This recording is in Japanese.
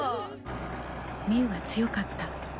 みうは強かった。